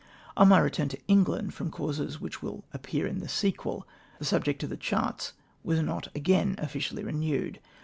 On my return to England, from causes which will appear in the sequel, the subject of the charts was not again officially renewed.